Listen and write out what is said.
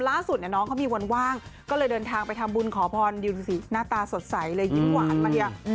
ล่าสุดเนี่ยน้องเขามีวันว่างก็เลยเดินทางไปทำบุญขอพรยืนหน้าตาสดใสเลยยิ้มหวานมาเนี่ย